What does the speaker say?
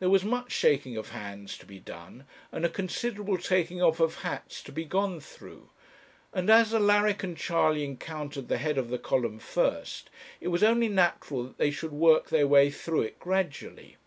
There was much shaking of hands to be done, and a considerable taking off of hats to be gone through; and as Alaric and Charley encountered the head of the column first, it was only natural that they should work their way through it gradually.